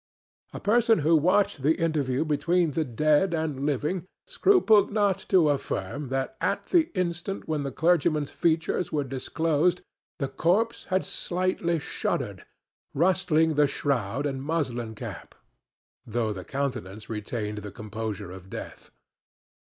A person who watched the interview between the dead and living scrupled not to affirm that at the instant when the clergyman's features were disclosed the corpse had slightly shuddered, rustling the shroud and muslin cap, though the countenance retained the composure of death.